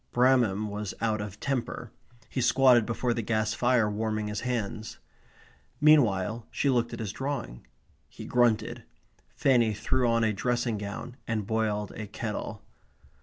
Bramham was out of temper. He squatted before the gas fire warming his hands. Meanwhile she looked at his drawing. He grunted. Fanny threw on a dressing gown and boiled a kettle.